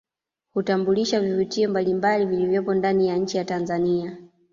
Hutambulisha vivutio mbalimbali vilivyopo ndani ya nchi ya Tanzania